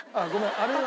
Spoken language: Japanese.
あれは。